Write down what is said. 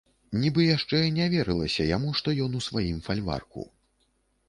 Нібы яшчэ не верылася яму, што ён у сваім фальварку.